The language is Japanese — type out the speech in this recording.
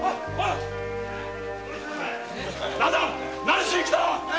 何しに来た！